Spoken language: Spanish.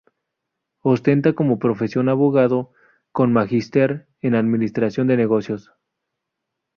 Ostenta como profesión Abogado con magister en administración de negocios.